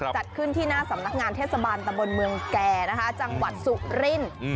จัดขึ้นที่หน้าสำนักงานเทศบาลตะบนเมืองแก่นะคะจังหวัดสุรินทร์